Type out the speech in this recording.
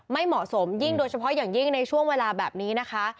ไม่เหมาะสมยิ่งโดยเฉพาะอย่างยิ่งในช่วงเวลาแบบนี้นะคะ